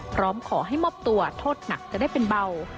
พร้อมขอให้มอบตัวโทษหนักจะได้เป็นเบา